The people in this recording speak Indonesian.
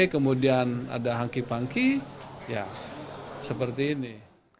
kemudian ada hankip hankip ya seperti ini